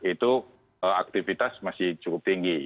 itu aktivitas masih cukup tinggi